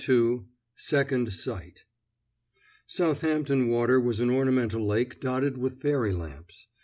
II SECOND SIGHT Southampton Water was an ornamental lake dotted with fairy lamps.